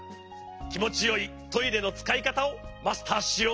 きもちよいトイレのつかいかたをマスターしようね！